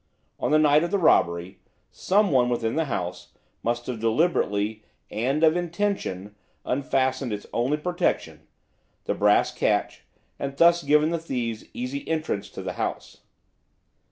On the night of the robbery, someone within the house must have deliberately, and of intention, unfastened its only protection, the brass catch, and thus given the thieves easy entrance to the house."